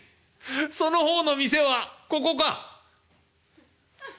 そのほうの店はここか？」。